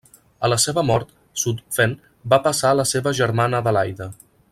A la seva mort, Zutphen va passar a la seva germana Adelaida.